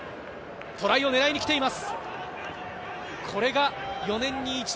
トライを狙いに来ています。